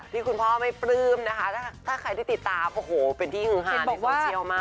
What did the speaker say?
นี่คุณพ่อไม่ปลื้มนะคะถ้าใครได้ติดตามโอ้โหเป็นที่ฮือฮาบอกว่าเชียวมาก